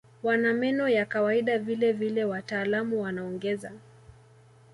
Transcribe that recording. Wana meno ya kawaida vile vile wataalamu wanaongeza